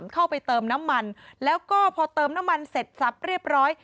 เข้าไปเติมน้ำมันแล้วก็พอเติมน้ำมันเสร็จสับเรียบร้อย